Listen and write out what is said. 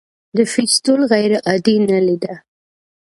د فیستول غیر عادي نلۍ ده.